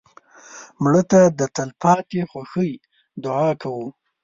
مړه ته د تلپاتې خوښۍ دعا کوو